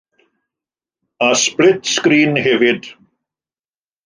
A sblit-sgrin hefyd.